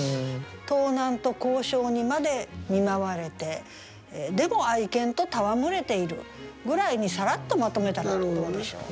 「盗難と咬傷にまで見舞われてでも愛犬とたわむれている」ぐらいにサラッとまとめたらどうでしょう。